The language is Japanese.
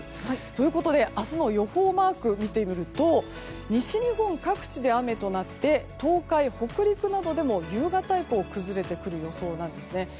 ということで明日の予報マークを見てみると西日本各地で雨となって東海・北陸などでも夕方以降崩れてくる予想なんですね。